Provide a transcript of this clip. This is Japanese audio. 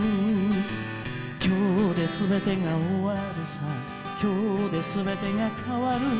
「今日ですべてが終るさ今日ですべてが変る」